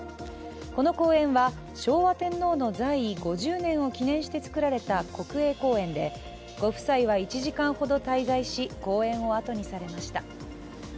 この公園は、昭和天皇の在位５０年を記念して作られた国営公園でご夫妻は１時間ほど滞在し、公園を後にされました。